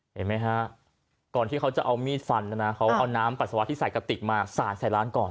เห็นไหมฮะก่อนที่เขาจะเอามีดฟันนะนะเขาเอาน้ำปัสสาวะที่ใส่กระติกมาสาดใส่ร้านก่อน